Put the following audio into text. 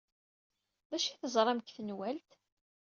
D acu ay teẓram deg tenwalt?